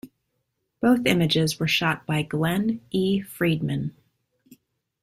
Both images were shot by Glen E. Friedman.